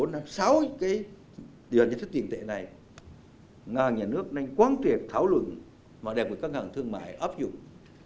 nên là ba bốn năm sáu cái tiền tệ này ngàn nhà nước nên quán tuyệt thảo luận mà đều bị các ngành thương mại ấp dụng